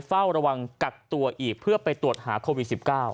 เฝ้าระวังกักตัวอีกเพื่อไปตรวจหาโควิด๑๙